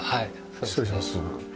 失礼します。